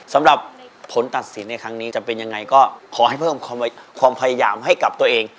สำหรับผลตัดสินในครั้งนี้จะเป็นยังไงก็ขอให้เพิ่มความพยายามให้กับตัวเอง